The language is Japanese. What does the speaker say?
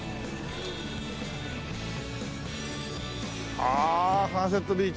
ああ「サンセットビーチ」。